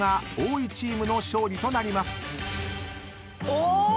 お！